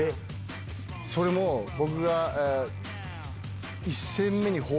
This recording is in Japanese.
それも僕が。